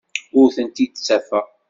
Ur tent-id-ttafeɣ.